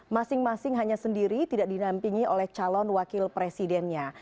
masing masing hanya sendiri tidak dinampingi oleh calon wakil presidennya